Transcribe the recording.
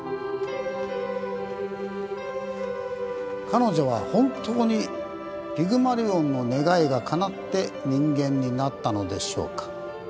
彼女は本当にピグマリオンの願いがかなって人間になったのでしょうか。